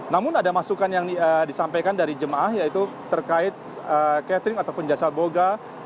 namun ada masukan yang disampaikan dari jemaah yaitu terkait catering ataupun jasa boga